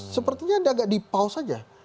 sepertinya ada di pause saja